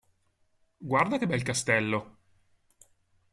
Guarda che bel castello!